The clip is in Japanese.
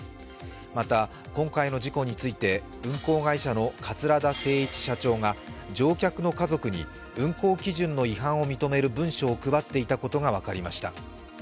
また今回の事故について運航会社の桂田精一社長が乗客の家族に運航基準の違反を認める文書を配っていたことが分かりました。